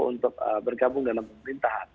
untuk bergabung dalam pemerintahan